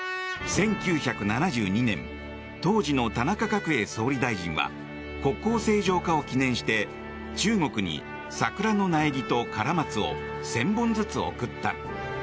１９７２年当時の田中角栄総理大臣は国交正常化を記念して中国に桜の苗木とカラマツを１０００本ずつ贈った。